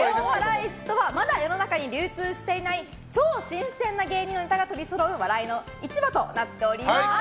市とはまだ世の中に流通していない超新鮮な芸人のネタが取りそろう笑いの市場となっております。